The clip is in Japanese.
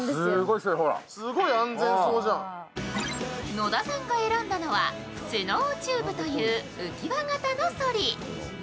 野田さんが選んだのはスノーチューブという浮き輪型のソリ。